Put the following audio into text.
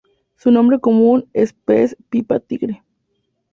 Su nombre común es pez pipa tigre.